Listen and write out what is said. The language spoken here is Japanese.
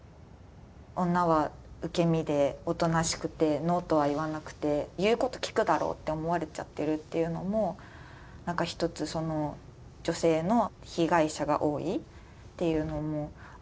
女は受け身でおとなしくてＮＯとは言わなくて言うこと聞くだろうって思われちゃってるっていうのもなんかひとつ女性の被害者が多いっていうのもあるのかなっていう。